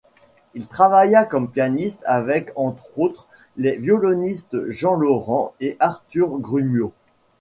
Il travailla comme pianiste avec entre autres les violonistes Jean Laurent et Arthur Grumiaux.